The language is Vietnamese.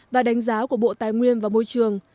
và đánh giá của bộ tài nguyên và môi trường